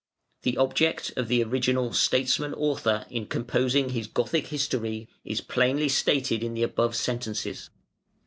The object of the original statesman author in composing his "Gothic History" is plainly stated in the above sentences.